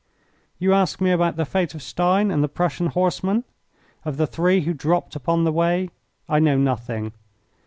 You ask me about the fate of Stein and the Prussian horsemen! Of the three who dropped upon the way I know nothing.